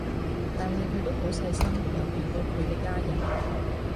但係佢都好細心，尤其對佢嘅家人